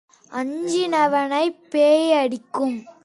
அஞ்சினவனைப் பேய் அடிக்கும்.